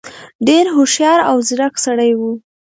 ډېر هوښیار او ځيرک سړی وو.